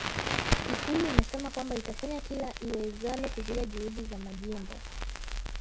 ikulu imesema kwamba itafanya kila iwezalo kuzuia juhudi za majimbo